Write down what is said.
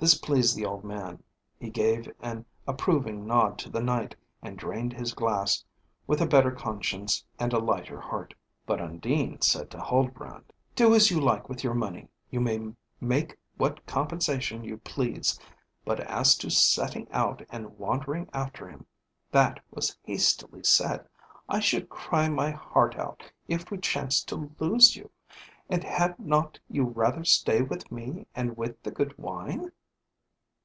This pleased the old man, he gave an approving nod to the Knight, and drained his glass with a better conscience and a lighter heart. But Undine said to Huldbrand, "Do as you like with your money, you may make what compensation you please; but as to setting out and wandering after him, that was hastily said. I should cry my heart out if we chanced to lose you; and had not you rather stay with me and with the good wine?"